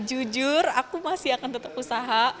jujur aku masih akan tetap usaha